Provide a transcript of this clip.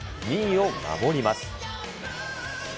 ２位を守ります。